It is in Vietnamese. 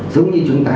giống như chúng ta